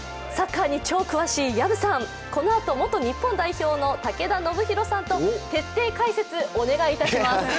サッカーに超詳しい薮さん、このあと、元日本代表の武田修宏さんと徹底解説、お願いいたします。